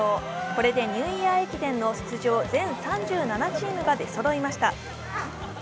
これでニューイヤー駅伝の出場全３７チームが出そろいました。